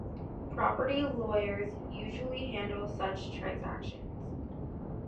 Property lawyers usually handle such transactions.